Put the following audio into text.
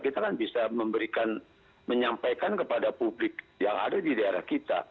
kita kan bisa memberikan menyampaikan kepada publik yang ada di daerah kita